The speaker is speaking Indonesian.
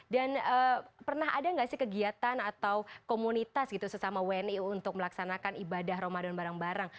dan pernah ada gak sih kegiatan atau komunitas gitu sesama wni untuk melaksanakan ibadah ramadan bareng bareng